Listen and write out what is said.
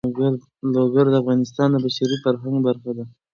لوگر د افغانستان د بشري فرهنګ برخه ده.